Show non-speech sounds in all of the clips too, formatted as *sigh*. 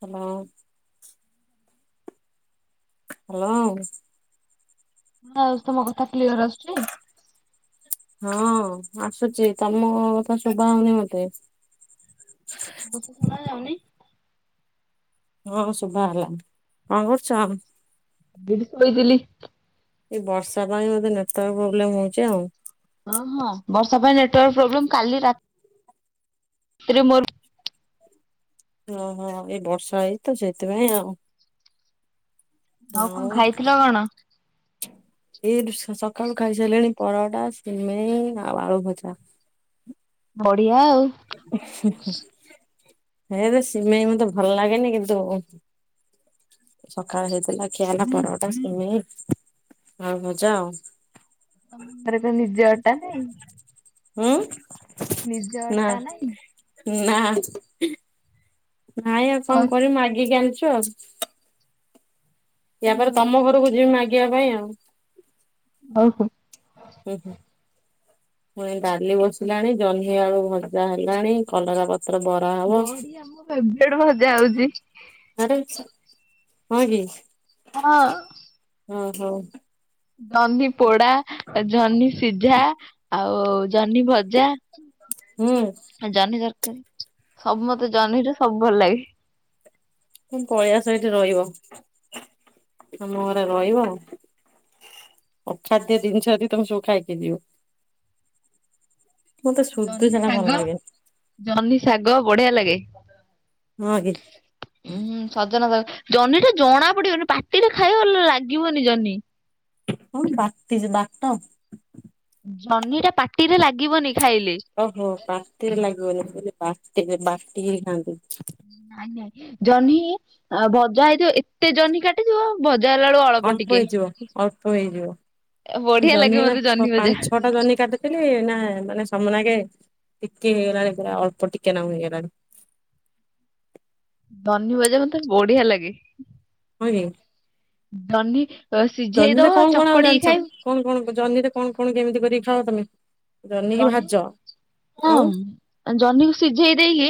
*inaudible* Hello. Hello. ହଁଉ ତମ କଥା କ୍ଲିୟର ଆସୁଛି? *inaudible* ହଁ ଆସୁଛି ତମ ତ ଶୁଭା ହଉନି ମତେ *inaudible* ମୋତେ ଶୁଣା ଯାଉନି? ହଁ ଶୁଭା ହେଲା କଣ କରୁଛ? ଦଡି ଶୋଇଥିଲଥିଲି। ଏଇ ବର୍ଷା ପାଇଁ ମେ ନେଟୱାର୍ ପ୍ରୋବ୍ଲେମ ହଉଛି ଆଉ? ଓ ହଁ ବର୍ଷା ପାଇଁ ନେଟୱାର୍କ ପ୍ରୋବଲେ କାଲିରେ *inaudible* ମୋର ଵି ଓଁ ହୋ ଏଇ ବର୍ଷା ହେଇ ତ ସେଇଥିପାଇଁ ଆଉ। ଆଉ କଣ ଖାଇଥିଲ କଣ? *inaudible* ଏଇ ସକାଳୁ ଖାଇସାରିଲେଣି ପରଟା ସିମି ଆଉ ଆଳୁ ଭଜା। ବଡ଼ିିଆ ହେ ତ ସିମେଇ ମତେ ଭଲ ଲାଗେନି କିନ୍ତୁ ସକାଳ ହେଇଥିଲା ଖିଆ ହେଲା ପର୍ବଟା ସିମେଇ ଆଉ ମଜା ଆଉ ତମ ଘରେ କଣ ନିଜେ ଉଁ। ନିଜ ଟା ନାଇଁ? ନା। *inaudible* ନାଇଁ ଆଉ କଣ କରିବୁ ମାଗିକି ଆଣିଚୁ। *inaudible* ୟା ପରେ ତମ ଘରକୁ ଯିବି ମା ଯିବା ପାଇଁ ଆଉ। ହୋଉ ହୋଉ। ହୁଁ ହୁଁ ପୁଣି ଡାଲି ବସିଲାଣି ଜହ୍ନି ଆଳୁ ଭଜା ହେଲାଣି କଲରା ପ ଆରେ *unintelligible* ହଁ କି? ହଁ। ହୁଁ ହୁଁ। ଜହ୍ନି ପୋଡା ଜହ୍ନି ସିଝା। ଆଉ ଜହ୍ନି ଭଜା। ହୁଁ ଜହ୍ନି ତର ସବୁ ମତେ ଜହ୍ନିଟ ସବୁ ଭଲ ଲାଗେ। ତ ପଳଆ ଇଠି ରହିବ ଆମ ଘରେ ରହିବ ଅ ଖାଦ୍ୟ ଜିନିସ ତମେ ସବୁ ଖାଇକି ଯିବ। ମତେ ସୁଦୁ ଜହ୍ନି ସେଟା ଭଲ ଶାଗ ଲାଗେନି। ଜହ୍ନି ଶାଗ ବଢିଆ ଲାଗେ। ହଁ କି *unintelligible* ଉଁ ହୁଁ ସଜନା ଶା ଜହ୍ନିଟା ଜଣା ପଡିବନି ପାଟିରେ ଖାଇବା ଲାଗିବନି ଜହ୍ନି। ହଁ ବାଟିଚ ବାଟ। ଜହ୍ନିଟା ପାଟିରେ ଲାଗିବନି। ଖାଇଲେ। ଓହୋ ପାତିରେ ଲାଗିବନେଇ ମୁଁ କଇଲି ବାଟିବେ ବାଟିକି ଖାଆନ୍ତି। ନାଇଁ ନାଇଁ। ଜହ୍ନି ଅ ବଜା ହେଇଥିବ ଏତେ ଜହ୍ନି କାଟିଥିବ ଭ ଅଳ୍ପ ହେଇଯିବ ଅଳ୍ପ ହେଇଯିବ ବଢିଆ ଲାଗେ ଜହ୍ନି ଏଇନା ମତେ ଛଅ ଭଜା ପାଞ୍ଚ ଛଅଟା ଜହ୍ନି କାଟିଥିଲି ନାଁ ମାନେ ସମନାଗେ ଟିକେ ହେଇଗଲାଣି ପୁରା ଅଳ୍ପ ଟିକେ ନାକୁ ହେଇଗଲାଣି। ଜହ୍ନି ଭଜା ମତେ ବଢିଆ ଲାଗେ। ହଁ କି? ଜହ୍ନି ସିଝେଇ ଜହ୍ନିରେ ଦବ କଣ କଣ ଆଉ ଚକଡିକି ଜାଣିଚ ଖାଇବ କଣ କଣ ଜହ୍ନିରେ କଣ କଣ କେମିତି କରି ଖାଅ ତମେ। ଜହ୍ନିକି ଭାଜ ଜହ୍ନିକୁ ହଁ ଆଉ ଆ ଜହ୍ନିକୁ ସିଝେଇ ଦେଇକି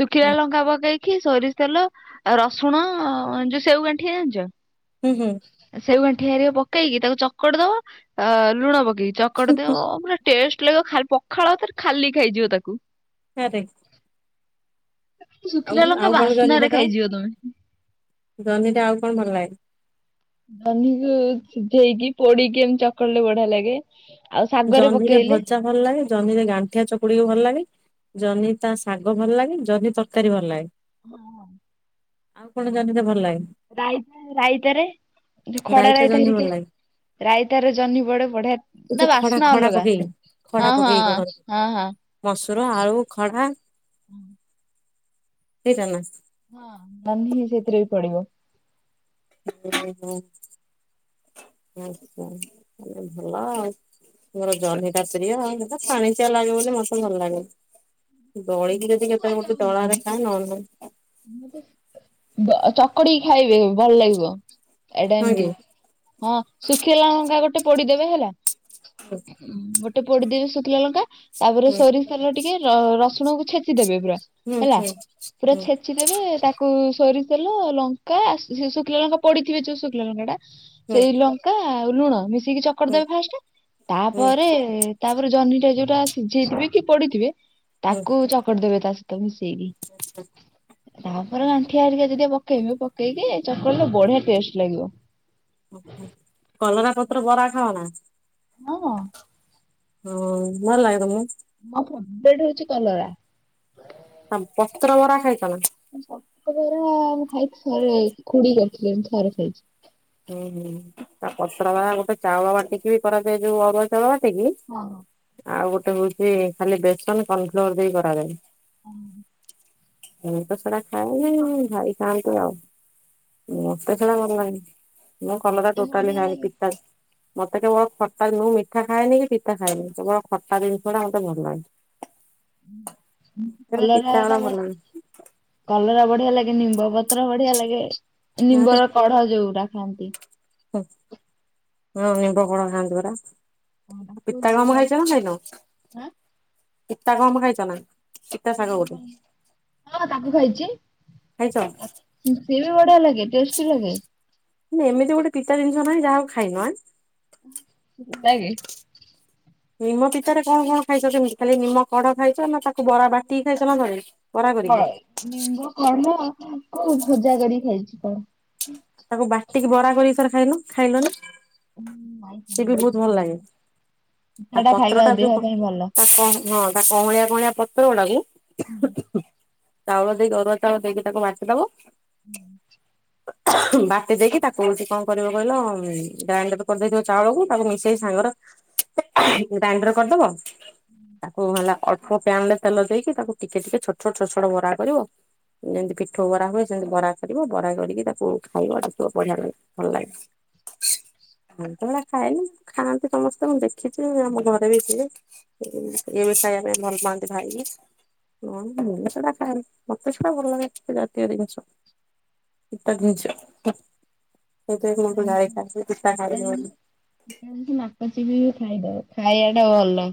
ଶୁଖିଲା ଲଙ୍କା ପକେଇକି ସୋରିଷ ତେଲ ଆଉ ରସୁଣ ଯୋଉ ସେଉ ଗାଣ୍ଠିଆ ଜାଣିଚ ହୁଁ ହୁଁ। ଠିଆରେ ପକେଇକି ତାକୁ ଚକଡ଼ି ଦବ ଆ ଲୁଣ ପ *inaudible* ଚକଡ଼ି ଦବ ପୁରା ଟେଷ୍ କ୍ଲେ ଅ ଖାଲି ପଖାଳ ଆତରେ ଖାଲି ଖାଇଯିବ ତାକୁ। ଆରେ। ଶୁଖିଲା ଆଉ ଲଙ୍କା ଆଉ କଣ ବାସ୍ନାରେ ଜହ୍ନିରେ କା ଖାଇଯିବ ତମେ। ଜହ୍ନିଟା ଆଉ କଣ ଭଲ ଲାଗେ? ଜହ୍ନିକୁ ଏଇ ସିଝେଇକି ପୋଡିକି ଏମତି ଚକଲେ ବଢିଆ ଲାଗେ। ଆଉ ଶାଗରେ ଜହ୍ନିରେ ପକେଇଲେ ଭଜା ଭଲ ଲାଗେ ଜହ୍ନିରେ ଗାଣ୍ଠିଆ ଚକୁଡିକି ଭଲ ଲାଗେ। ଜହ୍ନି ତା ଶାଗ ଭଲ ଲାଗେ ଜହ୍ନି ତରକାରୀ ଭଲ ଲାଗେ। ହଁ। ଆଉ କଣ ଜହ୍ନିରେ ଭଲ ଲାଗେ। ରାଇତା ରାଇତାରେ ଯୋଉ ଖଡା ରାଇତା ଜହ୍ନି ଭଲ ହେରିକା ଲାଗେ ରାଇତାରେ ଜହ୍ନି ପଡେ ବଢିଆ ଏ ଯୋଉ ନାଁ ବାସ୍ ଖଡା ନାଁ ଖଡା ଅଲଗା? ପକେଇକି। ହଁ ହଁ ହଁ ହଁ। ସୁର ଆଳୁ ଖଡା ହୁଁ‌। ଏଇଟା ନାଁ? ହଁ ନହ୍ନି ସେତିରେ ବି ପଡ଼ିବ। ଓହୋ ଆଚ୍ଛା ଭଲ ଆଉ ତୁମର ଜହ୍ନଟା ପ୍ରିୟ। ହେଟା ପାଣିିଚିଆ ଲାଗେ ବୋଲି ମୋତେ ଭଲ ଲାଗେ ଦଳିକି ଯଦି କେତୋଳେ ଗୋଟେ ଦଳାରେ ଖାଏ ନହେଲେ ନାଇଁ ‌। ବ ଚକଡିକି ଖାଇବେ ଭଲ ଲାଗିବ। ଏଇଟା ନାଇଁ କି ଏମତି ହଁ ଶୁଖିଲା ଲଙ୍କା ଗୋ ପୋଡିଦେବେ ହେଲା। ହୁଁ ହଁ ଗୋ ଟିକେ ପୋଡିଦେବେ ଶୁଥିଲା ଲଙ୍କା ତାପରେ ସୋରିଷତେଲ ଟିକେ ରସୁଣକୁ ଛେଚିଦେବେ ପୁରା ହୁଁ ହୁଁ ହୁଁ। ଦେବେ ତାକୁ ସୋରିଷତେଲ ଲଙ୍କା ଶୁଖିଲା ଲଙ୍କା ପଡିଥିବେ ଯୋଉ ଶୁଖିଲା ଲଙ୍କା ଟା ହୁଁ ସେଇ ଲଙ୍କା ଆଉ ଲୁଣ ମିଶି କି ଚକଡ଼ି ହୁଁ ଦେବେ ଫାଷ୍ଟ ହୁଁ ତାପରେ ତାପରେ ଜହ୍ନିଟା ଯୋଉଟା ସିଝେଇଥିବେ କି ପୋଡିଥିବେ ହୁଁ ତାକୁ ଚକଟି ଦେବେ ତା ସହି ତମିସ *inaudible* ତାପରେ ଗାଣ୍ଠିଆ ହାରିକା ଯଦି ପକେଇବେ ପକେଇକି ଚକଡ଼ଲେ ବଢିଆ ଟେଷ୍ଟ ଲାଗିବ। ଓୋ ହୋ କଲରା ପତ୍ର ବରା ଖାଅ ନା? ହଁ। ହଁ ଭଲ ଲାଗେ ତମକୁ? ମୋ ଫେବ୍ ରେଟ ହଉଛି କଲରା। ଆଉ ପତ୍ର ବରା ଖାଇଛ ନା? ପତ୍ର ବରା ମୁଁ ଖାଇଛି ଥରେ ଖୁଡ଼ୀ କରିଥିଲେ ଥରେ ଖାଇଛି। ହୁଁ ହୁଁ ତା ପତ୍ର ବରା ଗୋଟେ ଚାଉଳ ବାଟିକି ବି କରାଯାଏ ଯୋଉ ଅରୁଆ ଚାଉଳ ବା ଟିକି ହଁ ହଁ ଆଉ ଗୋ ଟେ ହଉଛି ଖାଲି ବେସନ କର୍ଣ ଫ୍ଲୋର୍ ଦେଇ କରାଯାଏ। ହୁଁ। ମୁଁ ତ ସେଡା ଖାଏନି ଭାଇ ଖାଆନ୍ତି ଆଉ ମତେ ସେଡା ଭଲ ଲାଗେନି। ମୁଁ କଲରା ମତେ ଟୋଟାଲି ବଢିଆ ଖାଏ ଲାଗେ ପିତା। ମତେ କେବଳ ଖଟା ନୁ ମୁଁ ମିଠା ଖାଏନି କି ପିତା ଖାଏନି କେବଳ ଖଟା ଜିନିଷଡା ମୋତେ ଭଲ ଲାଗେ। ସେଟା କଲରାଟା ପିତାଗୁଡା ଭଲ ନୁହେଁ କଲରା ବଢିଆ ଲାଗେ। ନିମ୍ବ ପତ୍ର ବଢିଆ ଲାଗେ। ନିମ୍ବର କଢ ଯୋଉଟା ଖାଆନ୍ତି। ହଁ ହଁ ନିମ୍ଭ କଢ଼ ଖାନ୍ତିିପରା। ହଁ ତାକୁ ବି ପିତା ଭଲ କାମ ଲାଗେ ଖାଇଛ ନା ଖାଇନ? ଆଁ ପିତା କମ ଖାଇଛନା? ହଁ ତାକୁ ଖାଇଛି ଖାଇଛ ସେବି ବଢିଆ ଲାଗେନ ଟେଷ୍ଟି ଲାଗାଇ ନ ଏମିତି ଗୋଟେ ପିତା ଜିନିଷ ନାହିଁ ଯାହାକୁ ଖାଇନୁଁ ସେ ଯକେ ନିମ ପିତରେ କଣ କଣ ଖାଇଛ କେମିତି ଖାଲି ନିମ କଡ ଖାଇଛ ନା ତା ହ ନିବୁ କରମା ହଉ ଭଜା କରିକ ଖାଇଛି କଣ ତାକୁ ବାଟିକି ବରା କରିକି ସ ଖାଇଲ ଖାଇଲ ନା ନାଇଁ ସ ବି ବହୁତ ଭଲ ଲାଗେ ଖାଇନି, ତା ସେଟା ପତ୍ର ଖାଇବା ଟା ଦେହ ଯୋଉ ପାଇଁ ଭଲ। ତା ହଁ ତା କଁଳିଆ କଁଳିଆ ପ ହନା କି ହୁଁ ଚାଉଳ ଦେଇକି ଅରୁଆ ଚାଉଳ ଦେଇକି ତାକୁ ମାଚିଦବ ହଁ ବାଟି ଦେଇକି ତାକୁଛି କଣ କରିବ କହିଲ ଗ୍ରାଇଣ୍ଡର ବି କରିଦେଇଥିବ ଚାଉଳକୁ ତାକୁ ସେଇ ସାଙ୍ଗର ଗ୍ରାଇଣ୍ଡର କରିଦବ ତାକୁ ହେଲା ଅ ହଁ ପ୍ୟାନରେ ତେଲ ଦେଇକି ତାକୁ ଟିକେ ଟିକେ ଛୋଟ ଛୋଟ ଛୋ ଛୋଟ ବରା କରିବ ଯେମିତି ପିଠଉ ବରା ହୁଏ ସେମିତି ବରା କରିବ ବରା କରିକି ତାକୁ ଖାଇବ ଦେଖିବ ବଢିଆ ଲାଗିବ ଭଲ ଲାଗିବ ମୁଁ ଖାଏନି ଖାଆନ୍ତି ସମସ୍ତେ ମୁଁ ଦେଖିଛି ଆମ ଘରେ ବି ଯିବେ ଇଏ ବି ଖାଇବେ ପାଇଁ ଭଲ ପାଆନ୍ତି ଭାଇ ହ ମୁଁ ଏତଟା ଖାଏନି ମୋତେ ସେୁଟା ଭଲ ଲାଗେ ଜାତୀୟ ଜିନିଷ ପିତା ଜିନିଷ *unintelligible* ନାକଚିପି ବି ଖାଇଦଉ ଖାଇବା ଟା ଭଲ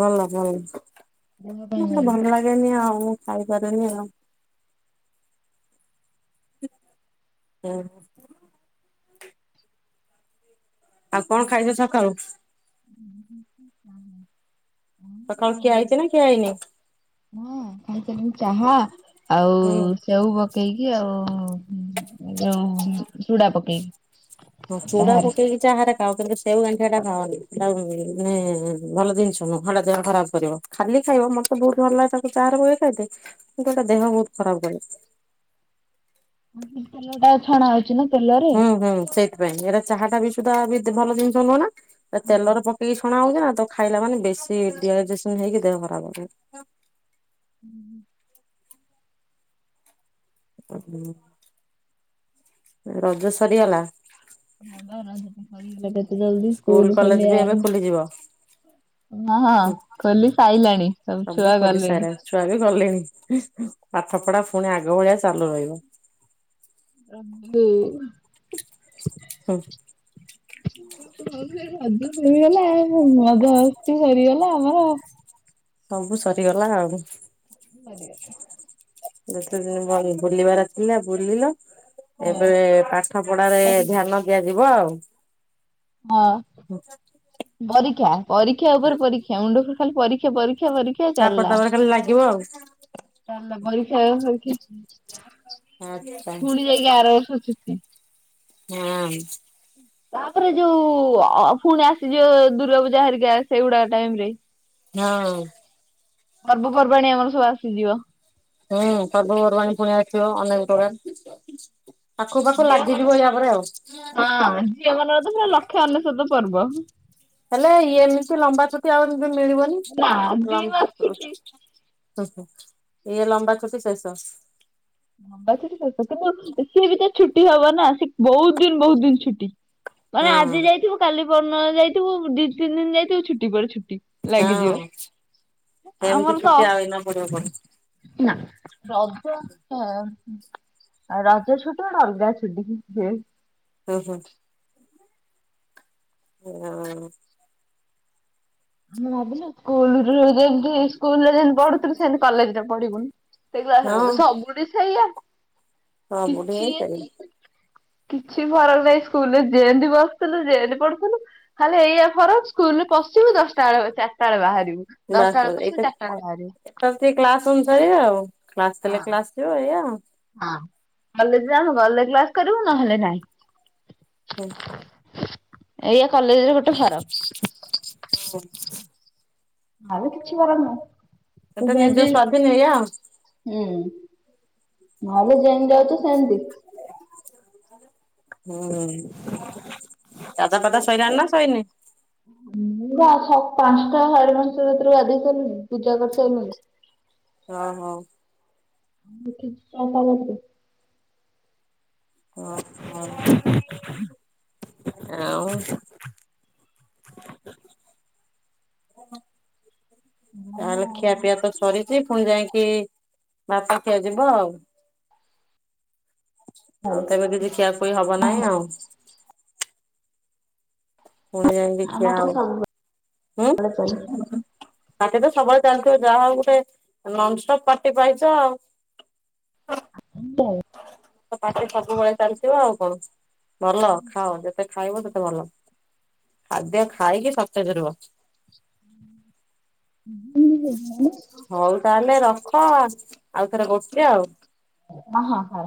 ଭଲ ଭଲ ଦେହ ପାଇଁ ମୋତେ ଭଲ ଲାଗେନି ଆଉ ମୁଁ ଖାଇପାରୁନି ଆଉ ହୁଁ ଆଉ କଣ ଖାଇଛ ସକାଳୁ ହଁ ସକାଳୁ ଖିଆ ହେଇଛି ନା ଖିଆ ହେଇନି? ହଁ ଖାଇଚି ଚାହା ଆଉ ହୁଁ। ସେଉ ପକେଇକି ଆଉ ଆ ଚୁଡ଼ା ପକା ହଁ ଚୁଡା ପକେଇକି ଚାହାରେ ଖାଅ କିନ୍ତୁ ସ ସେଉ ଗାଣ୍ଠିଟା ଖାଅନି *unintelligible* ଭଲ ଜିନିଷ ନୁହଁଟା ଦେହ ଖରାପ କରିବ ଖାଲି ଖାଇବ ମତେ ବହୁତ ଭଲ ଲାଗେ ତାକୁ ଚାହାରେ ବ ଖାଇଦେ କିୁ ଗଟା ଦେହ ବହୁତ ଖରାପ କରେ। ତେଲ ଟା ଛଣା ଅଛି। ହୁଁ ହୁଁ ସେଇଥିପାଇଁ ଏଇଟା ଚାହା ଟା ବି ତ ଏତେ ଭଲ ଜିନିଷ ନୁହଁ ନା। ତେଲର ପକେଇକି ଛଣା ହଉଛି ନା। ତ ଖାଇଲା ମାନେ ବେଶି ଡ୍ରିହାଇଜ୍ରେସନ ହେଇକି ଦେହ ଖରାପ ହବ। ହୁଁ। ଓ ରଜ ସରିଗଲା। ଭଲ ରଜଟା ସରିଗଲା। ଜଲଦି ସ୍କୁଲ କଲେଜ ବି ଏବେ ଖୋଲିଲାଣି ଖୋଲିଯିବ ହଁ ହଁ ଖୋଲି ସାଇଲାଣି ସବୁ ଛୁଆ ଖୋଲି ଗଲେଣି। ସାଇଲାଣି ଛୁଆ ବି ଗଲେଣି। ପାଠ ପଢା ପୁଣି ଆଗ ଭଳିଆ ଚାଲୁ ରହିବ। ହୁଁ। ହୁଁ ରଜ ସରିଗଲା ଆଉ ମଜା ହସ୍ତି ସରିଗଲା ଆମର। ସବୁ ସରିଗଲା ଆଉ। ସରିଗଲା। ଯେତେ ଦିନ ବ ବୁଲିବାର ଥିଲା ବୁଲିଲ। ଏବେ ପାଠ ପଢାରେ ହଁ ଧ୍ୟାନ ଦିଆଯା ଯିବ ଆଉ। ହଁ ପରୀକ୍ଷା। ପରୀକ୍ଷା ଉପରେ ପରୀକ୍ଷା ମୁଣ୍ଡକୁ ଖାଲି ପରୀକ୍ଷା ପରୀକ୍ଷା। ପରୀକ୍ଷା ପରୀକ୍ଷା ତାପରେ ଚାଲିଲା ତାପରେ ଖାଲି ଲାଗିବ ଆଉ ଚାଲିଲା ପରୀକ୍ଷା ପରା ଆଚ୍ଛା ପୁଣି ଯାଇକି ଆର ବର୍ଷ ଛୁ ହଁ। ତାପରେ ଯୋଉ ଅ ପୁଣି ଆସିଯିବ ଦୁର୍ଗା ପୂଜା ହେରିକା ସେଇଗୁଡା ଟାଇମ ରେ। ହଁ। ପର୍ବପର୍ବାଣି ଆମର ସବୁ ଆସିଯିବ। ହୁଁ ପର୍ବପର୍ବାଣୀ ପୁଣି ଆସିବ ଅନେକ। ଗୁଡ଼ାକ। ଝିଅ ମ ହଁ ଝିଅ ମାନଙ୍କର ତ ଲକ୍ଷେ ଅନେଶୋତ ପର୍ବ। ହେଲେ ଏମିତି ଲମ୍ବା ଛୁଟି ଆଉ ମିଳିବନି ନା ଆ ଦି ମାସ ଛୁଟି। ଇଏ ଲମ୍ବା ଛୁଟି ଶେଷ। ଲମ୍ବା କିନ୍ତୁ ସିଏ ବି ତ ଛୁଟି ହବନି। ନା ସେ ବହୁତ ଦିନ ବହୁତ ଦିନ ଛୁଟି। ମାନେ ଆଜି ହଁ ଯାଇଥିବୁ କାଲି *unintelligible* ନ ଯାଇଥିବୁ ଦି ତିନି ଦିନ ଯାଇଥିବୁ ଛୁଟି ପରେ ଛୁଟି। ଲାଗିଯିବ ହଁ। ସେମିତି ଆମର ତ ଛୁଟି ଆଉ ଏଇନା ପଡିବ କଣ? ନା ବା ବା ହଁ ରଜ ଛୁଟି ଗୋଟେ ଅଲଗା ଛୁଟି ସିଏ। ଓ ହୋ। ହଁ। ମୁଁ ଭାବିଲି ସ୍କୁଲରେ ଜାଇଙ୍କି ସ୍କୁଲରେ ଯେମିତି ପଢୁଥିଲୁ ସେମତି କଲେଜରେ ପଢିବୁନି। ସେ ହଁ କ୍ଲାସ ସବୁଠି ସେଇଆ। ସବୁଠି କିଛି ସେୟା କିଛି ଫରକ ନାହିଁ ସ୍କୁଲରେ ଯେମତି ବସିଥିଲୁ ଯେମିତି ପଢୁଥିଲୁ ଖାଲି ଏଇଆ ଫରକ ସ୍କୁଲ ରେ ପଶିବୁ ଜଷ୍ଟ ଚାଳ ଚାରିଟା ବେଳେ ବାହାରିବୁ। ବାସ ଦଶଟା ବେଳେ ବାସ ପଶିବୁ ଚାରିଟା ବେଳେ ବାହାରିବୁ। ଏଇତ କ୍ଲାସ *unintelligible* ଆଉ। କ୍ଲାସ ଦେଲେ କ୍ଲାସ ଯିବ ଏଇଆ ଆଉ କାଲି ଏକ୍ସାମ ଗଲେ କ୍ଲାସ୍ କରିବୁ ନହେଲେ ନାଇଁ ହୁଁ ଏଇଆ କଲେଜରେ ଗୋଟେ ଫରକ ଆରେ କିଛି ଫରକ ନାହିଁ। ତ ଏଟା ନିଜ ସେମିତି ସ୍ଵାଧୀନ ଏଇଆ ଆଉ ହୁଁ ମାଲେ ଯେମିତ ଯାଉଛସେମିତି ଜି ହୁଁ ଉ ହୁଁ ବା ସ ପାଞ୍ଚଟା ସାଢେ଼ ପାଞ୍ଚଟା ରାତିରୁ ଗାଧେଇ ସାରିଲିଣୀ ପୂଜା କରିସାରିଲିଣୀ ହଁ ହଁ *unintelligible* *unintelligible* ହଁ ଆଉ ତାହେଲେ ଖିଆପିଆ ତ ସରିଛି ପୁଣି ଯାଇକି ଭାତ ଖିଆ ଯିବ ଆଉ। ଆଉ ତବେ କିଛି ଖିଆ ଖୁଇ ହବ ନାହିଁ ଆଉ ପୁଣି ଯାଇ ଦେଖିିବା ଆଉ ହୁଁ *unintelligible* ସବୁବେଳେ ତ ଏମିତି ଯାହା ହେଉ ଗୋଟେ ନନଷ୍ଟପ୍ ପାର୍ଟି ପାଇଛ ଆଉ। ତୋ ପାଟି ସବୁବେଳେ ଚାଲିଥିବ ଆଉ କଣ ଭଲ ଖାଅ ଯେତେ ଖାଇବ ସେ ଭଲ ଖାଦ୍ୟ ଖାଇକି ସତେଜ ରୁହ। ହଉ ତାହେଲେ ରଖ ଆ ଆଉଥରେ *unintelligible* ଆଉ ହ ହ ହଁ।